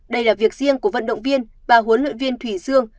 đây là việc riêng của vận động viên và huấn luyện viên thủy dương